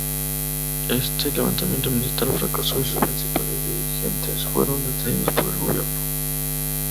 Este levantamiento militar fracasó y sus principales dirigentes fueron detenidos por el gobierno.